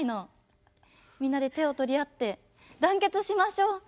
みんなで手を取り合って団結しましょう！